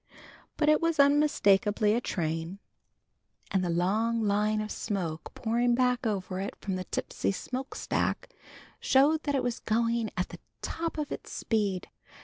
But it was unmistakably a train, and the long line of smoke pouring back over it from the tipsy smoke stack showed that it was going at the top of its speed.